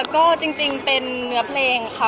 ก็จริงเป็นเนื้อเพลงค่ะ